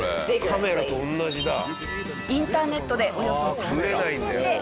カメラと同じだ。はあ。